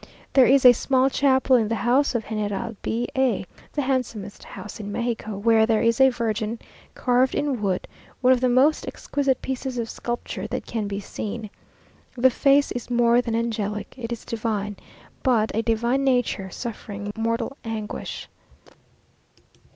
There is a small chapel in the house of General B a, the handsomest house in Mexico, where there is a virgin carved in wood, one of the most exquisite pieces of sculpture that can be seen. The face is more than angelic it is divine; but a divine nature, suffering mortal anguish.